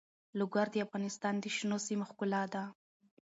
لوگر د افغانستان د شنو سیمو ښکلا ده.